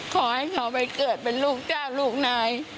ขอให้เขาไปเกิดเป็นลูกเจ้าลูกนาย